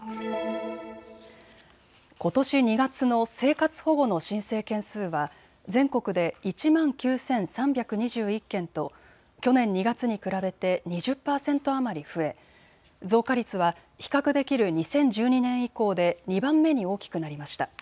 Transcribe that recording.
ことし２月の生活保護の申請件数は全国で１万９３２１件と去年２月に比べて２０％余り増え増加率は比較できる２０１２年以降で２番目に大きくなりました。